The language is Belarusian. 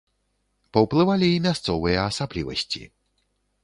Паўплывалі і мясцовыя асаблівасці.